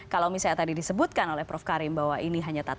kalau misalnya tadi disebutkan oleh prof karim bahwa ini hanya tata